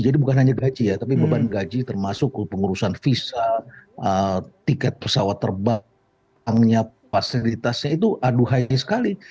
jadi bukan hanya gaji ya tapi beban gaji termasuk pengurusan visa tiket pesawat terbangnya fasilitasnya itu aduhannya sekali